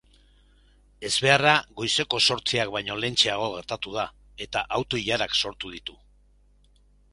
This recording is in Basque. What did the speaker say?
Ezbeharra goizeko zortziak baino lehentxeago gertatu da, eta auto-ilarak sortu ditu.